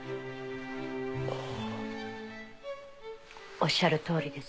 おっしゃる通りです。